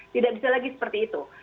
tidak bisa lagi seperti itu